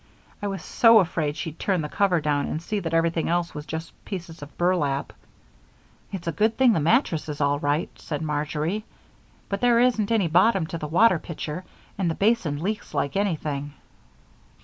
I was so afraid she'd turn the cover down and see that everything else was just pieces of burlap." "It's a good thing the mattress is all right," said Marjory. "But there isn't any bottom to the water pitcher, and the basin leaks like anything."